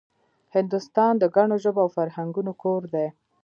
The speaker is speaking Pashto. هندوستان د ګڼو ژبو او فرهنګونو کور دی